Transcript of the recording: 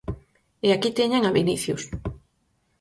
E aquí teñen a Vinicius.